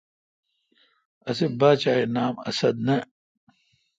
اسے°باچا اے°نام اسد نہ۔